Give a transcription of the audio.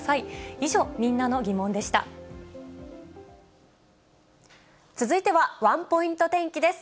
以上、続いてはワンポイント天気です。